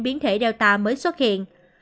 biến thể delta mới xuất hiện